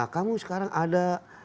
kamu sekarang ada delapan puluh